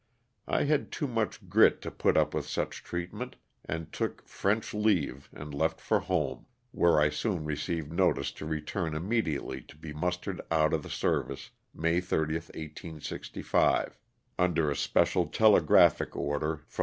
I had too much grit to put up with such treatment and took " French leave " and left for home, where I soon received notice to return immediately to be mustered out of the service May 30, 1865, under a special telegraphic order from LOSS OF THE SULTAIS'A.